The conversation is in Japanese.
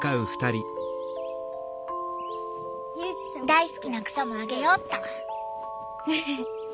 大好きな草もあげようっと。